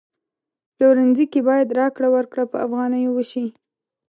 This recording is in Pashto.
پلورنځي کی باید راکړه ورکړه په افغانیو وشي